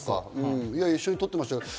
一緒に撮ってましたよって。